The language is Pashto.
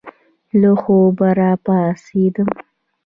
له خوبه را پاڅېدم.